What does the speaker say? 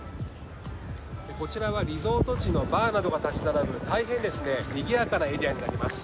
こちらはリゾート地のバーなどが立ち並ぶ大変にぎやかなエリアになります。